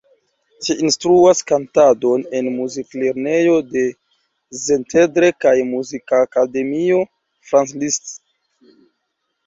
Ŝi instruas kantadon en muziklernejo de Szentendre kaj Muzikakademio Franz Liszt.